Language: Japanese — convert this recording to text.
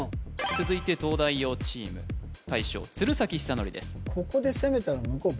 続いて東大王チーム大将鶴崎修功です